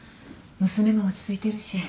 娘も落ち着いてるし。